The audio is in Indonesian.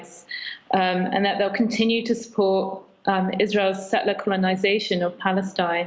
dan bahwa mereka akan terus mendukung kolonisasi setelah israel di palestine